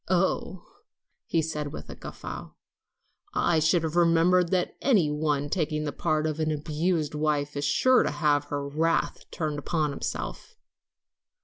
"Oh," he said, with a loud guffaw, "I should have remembered that any one taking the part of an abused wife is sure to have her wrath turned upon himself."